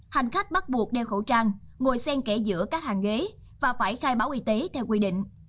hành khách bắt buộc đeo khẩu trang ngồi sen kẻ giữa các hàng ghế và phải khai báo y tế theo quy định